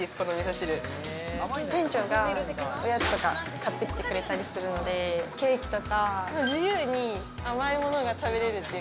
店長がおやつとか買って来ててくれたりするのでケーキとか甘いものが食べれるっていう。